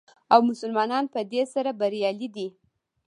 او مسلمانان په دې سره بریالي دي.